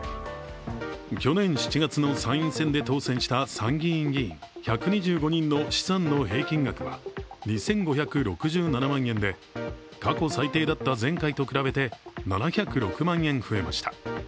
去年７月の参院選で当選した参議院議員１２５人の資産の平均額は、２５６７万円で、過去最低だった前回と比べて７０６万円増えました。